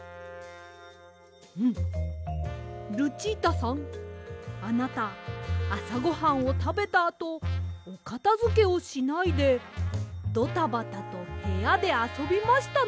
うんルチータさんあなたあさごはんをたべたあとおかたづけをしないでドタバタとへやであそびましたね！